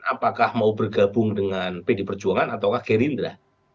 apakah mau bergabung dengan pd perjuangan atau gerindra